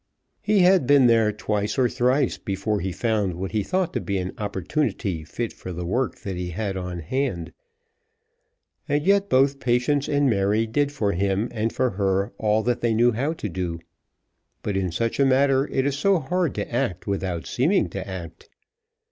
He had been there twice or thrice before he found what he thought to be an opportunity fit for the work that he had on hand. And yet both Patience and Mary did for him and for her all that they knew how to do. But in such a matter it is so hard to act without seeming to act!